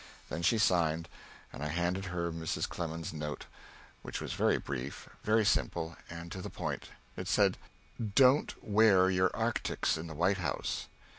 Then she signed; and I handed her Mrs. Clements's note, which was very brief, very simple, and to the point. It said: "_Don't wear your arctics in the White House.